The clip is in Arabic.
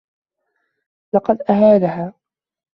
لقد أهانها.